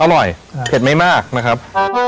อร่อยเผ็ดไม่มากนะครับ